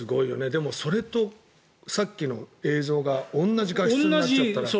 でもそれと、さっきの映像が同じ画質だったら。